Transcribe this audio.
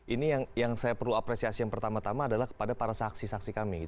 ini yang saya perlu apresiasi yang pertama tama adalah kepada para saksi saksi kami